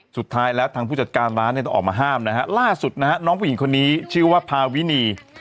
สุดท้ายแล้วทางผู้จัดการร้านเนี่ยต้องออกมาห้ามนะฮะล่าสุดนะฮะน้องผู้หญิงคนนี้ชื่อว่าพาวินี